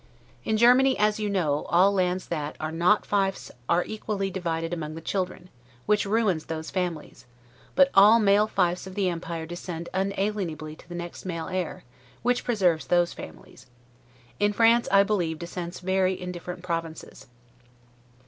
In Germany, as you know, all lands that, are not fiefs are equally divided among all the children, which ruins those families; but all male fiefs of the empire descend unalienably to the next male heir, which preserves those families. In France, I believe, descents vary in different provinces.